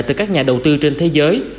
từ các nhà đầu tư trên thế giới